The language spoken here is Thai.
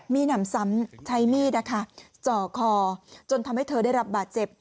มีหนำซ้ำใช้มีดจ่อคอจนทำให้เธอได้รับบาดเจ็บ